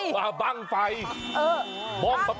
เห็นไหมว้าว